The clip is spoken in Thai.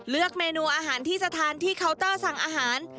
เลือกเมนูอาหารที่สถานที่เคาน์เตอร์สั่งอาหาร